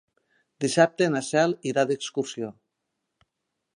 Dissabte na Cel irà d'excursió.